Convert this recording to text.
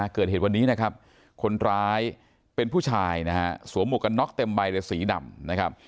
เกิดเหตุวันนี้คนร้ายเป็นผู้ชายสวมกระน็อกเต็มใบแต่สีดำ